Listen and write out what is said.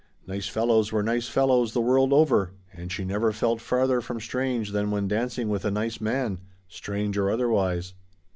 Nice fellows were nice fellows the world over, and she never felt farther from strange than when dancing with a nice man strange or otherwise.